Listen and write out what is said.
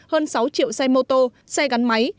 hơn sáu triệu xe mô tô xe gắn máy